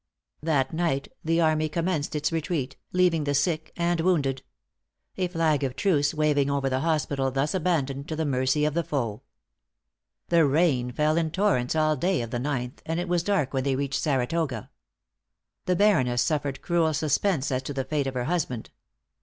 That night the army commenced its retreat, leaving the sick and wounded; a flag of truce waving over the hospital thus abandoned to the mercy of the foe. The rain fell in torrents all day of the 9th, and it was dark when they reached Saratoga. The Baroness suffered cruel suspense as to the fate of her husband.